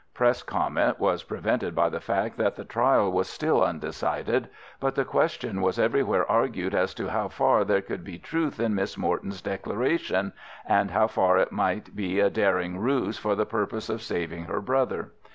Press comment was prevented by the fact that the trial was still undecided, but the question was everywhere argued as to how far there could be truth in Miss Morton's declaration, and how far it might be a daring ruse for the purpose of saving her brother.